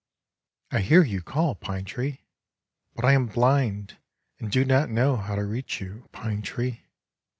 I hear you call. Pine tree, but I am blind, and do not know how to reach you, Pine tree.